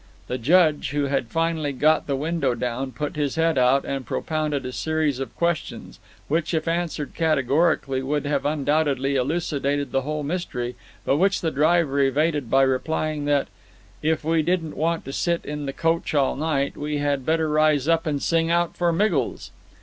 The Judge, who had finally got the window down, put his head out and propounded a series of questions, which if answered categorically would have undoubtedly elucidated the whole mystery, but which the driver evaded by replying that "if we didn't want to sit in the coach all night, we had better rise up and sing out for Miggles."